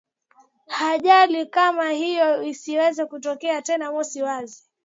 ajali kama hiyo isiweze kutokea tena mosi mwazi